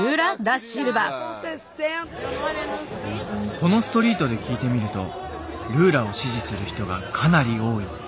このストリートで聞いてみるとルーラを支持する人がかなり多い。